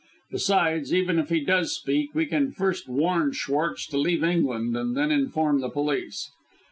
Besides, even if he does speak, we can first warn Schwartz to leave England, and then inform the police.